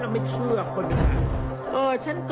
อ้าดู